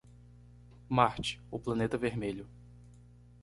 Marte, o Planeta Vermelho.